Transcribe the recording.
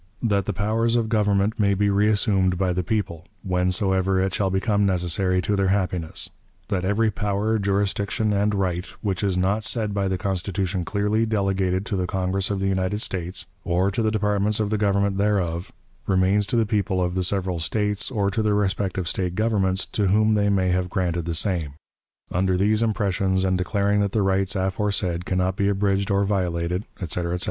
. that the powers of Government may be reassumed by the people, whensoever it shall become necessary to their happiness; that every power, jurisdiction, and right, which is not by the said Constitution clearly delegated to the Congress of the United States, or to the departments of the Government thereof, remains to the people of the several States, or to their respective State governments, to whom they may have granted the same. ... Under these impressions, and declaring that the rights aforesaid can not be abridged or violated," etc., etc.